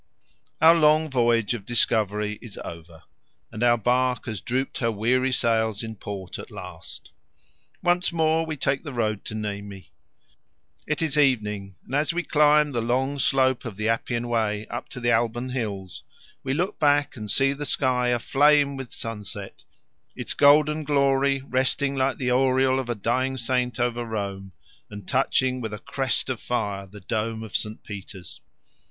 Our long voyage of discovery is over and our bark has drooped her weary sails in port at last. Once more we take the road to Nemi. It is evening, and as we climb the long slope of the Appian Way up to the Alban Hills, we look back and see the sky aflame with sunset, its golden glory resting like the aureole of a dying saint over Rome and touching with a crest of fire the dome of St. Peter's.